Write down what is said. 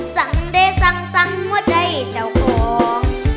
ซังเด๋ซังซังหัวใจเจ้าก่อน